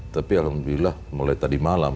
tapi alhamdulillah mulai tadi malam